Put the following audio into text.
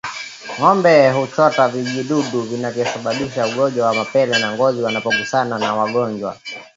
Ngombe huchota vijidudu vinavyosababisha ugonjwa wa mapele ya ngozi wanapogusana na wagonjwa